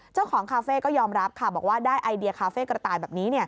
เจ้าของคาเฟ่ก็ยอมรับค่ะบอกว่าได้ไอเดียคาเฟ่กระต่ายแบบนี้